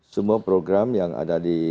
semua program yang ada di